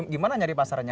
gimana cari pasarnya